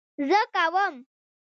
زه کوم